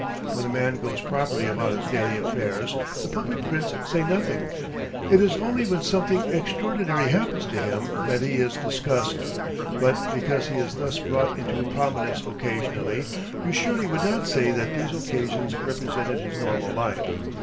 When a man goes properly about his daily affairs, the public prints say nothing; it is only when something extraordinary happens to him that he is discussed. But because he is thus brought into prominence occasionally, you surely would not say that these occasions represented his normal life.